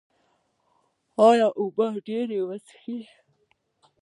ایا اوبه به ډیرې څښئ؟